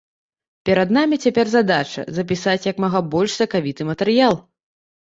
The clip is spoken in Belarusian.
Перад намі цяпер задача, запісаць як мага больш сакавіты матэрыял.